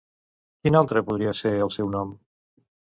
Quin altre podria ser el seu nom?